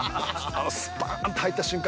スパーンと入った瞬間